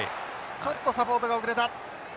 ちょっとサポートが遅れた。